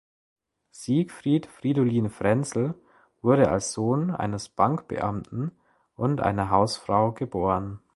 Siegfried „Fridolin“ Frenzel wurde als Sohn eines Bankbeamten und einer Hausfrau geboren.